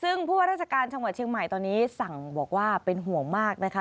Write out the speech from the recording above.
ซึ่งผู้ว่าราชการจังหวัดเชียงใหม่ตอนนี้สั่งบอกว่าเป็นห่วงมากนะคะ